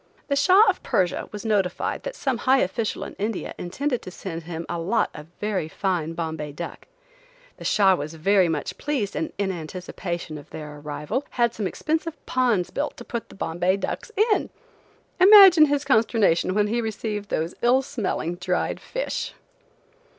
The Shah of Persia was notified that some high official in India intended to send him a lot of very fine Bombay duck. The Shah was very much pleased and, in anticipation of their arrival, had some expensive ponds built to put the Bombay ducks in! Imagine his consternation when he received those ill smelling, dried fish!